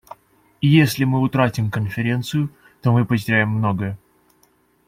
И если мы утратим Конференцию, то мы потеряем многое.